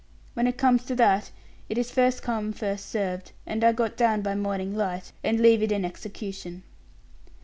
When it comes to that, it is 'first come, first served,' and I got down by morning light, and levied an execution."